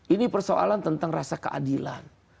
ini persoalan tentang rasa keadilan